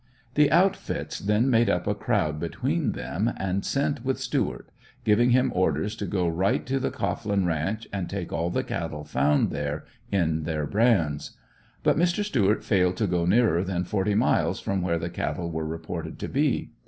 The outfits then made up a crowd between them, and sent with Stuart, giving him orders to go right to the Cohglin ranch and take all the cattle found there, in their brands. But Mr. Stuart failed to go nearer than forty miles from where the cattle were reported to be.